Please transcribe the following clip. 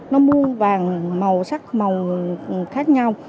nó mua vàng màu sắc màu khác nhau